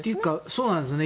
そうなんですね。